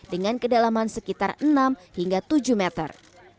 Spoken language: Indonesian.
dengan kedalaman sekitar enam hingga tujuh meter